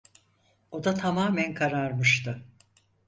Oda tamamen kararmıştı.